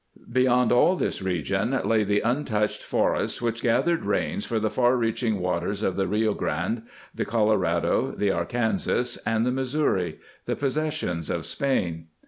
Beyond all this region lay the untouched for ests which gathered rains for the far reaching waters of the Rio Grande, the Colorado, the Arkansas, and the Missouri — the possessions of Spain.